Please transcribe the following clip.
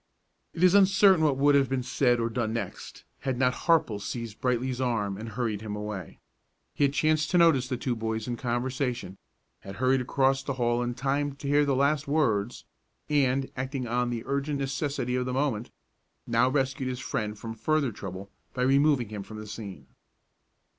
It is uncertain what would have been said or done next, had not Harple seized Brightly's arm and hurried him away. He had chanced to notice the two boys in conversation, had hurried across the hall in time to hear the last words, and, acting on the urgent necessity of the moment, now rescued his friend from further trouble by removing him from the scene.